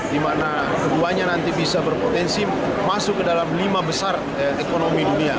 di mana keduanya nanti bisa berpotensi masuk ke dalam lima besar ekonomi dunia